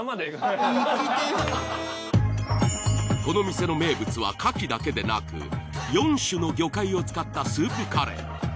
この店の名物は牡蠣だけでなく４種の魚介を使ったスープカレー。